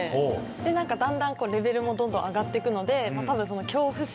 何かだんだんレベルもどんどん上がって行くので。